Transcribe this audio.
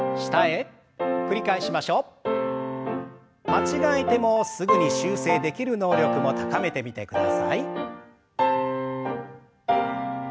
間違えてもすぐに修正できる能力も高めてみてください。